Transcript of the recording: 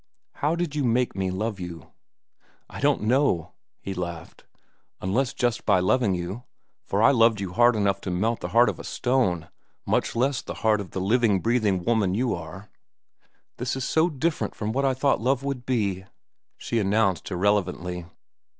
How did you make me love you?" "I don't know," he laughed, "unless just by loving you, for I loved you hard enough to melt the heart of a stone, much less the heart of the living, breathing woman you are." "This is so different from what I thought love would be," she announced irrelevantly.